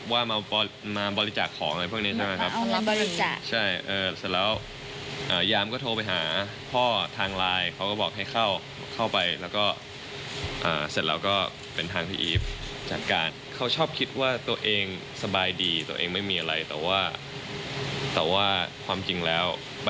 ว่ามาบริจาคออะไรพวกนี้ใช่ไหมครับ